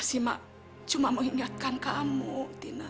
ya sih mak cuma mengingatkan kamu tina